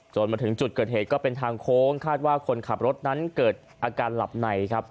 มาถึงจุดเกิดเหตุก็เป็นทางโค้งคาดว่าคนขับรถนั้นเกิดอาการหลับในครับ